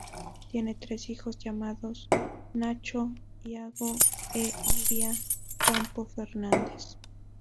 Tiene tres hijos llamados Nacho, Iago e Iria Campo Fernández.